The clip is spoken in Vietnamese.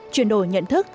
chuyển đổi nhận thức